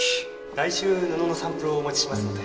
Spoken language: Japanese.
来週布のサンプルをお持ちしますので。